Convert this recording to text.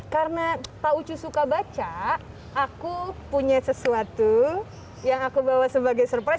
karena pak ucu suka baca aku punya sesuatu yang aku bawa sebagai surprise